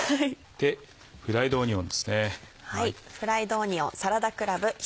フライドオニオンですね。